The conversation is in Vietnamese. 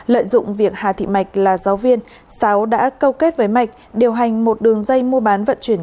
lợi dụng việc hà thị mạch là giáo viên sáu đã câu kết với mạch điều hành một đường dây mua bán vận chuyển